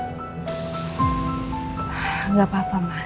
tidak apa apa mama